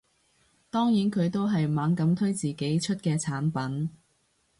當然佢都係猛咁推自己出嘅產品